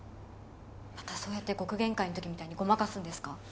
またそうやって極玄会の時みたいにごまかすんですか？